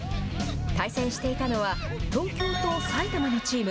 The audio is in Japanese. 対戦していたのは、東京と埼玉のチーム。